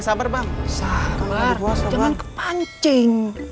sabar jangan kepancing